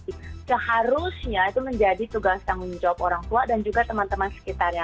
itu harusnya menjadi tugas tanggung jawab orang tua dan juga teman teman sekitarnya